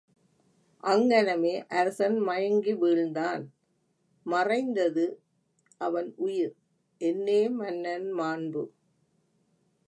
அங்ங்னமே அரசன் மயங்கி வீழ்ந்தான் மறைந்தது அவன் உயிர் என்னே மன்னன் மாண்பு!